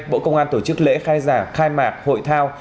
bộ công an tổ chức lễ khai giảng khai mạc hội thao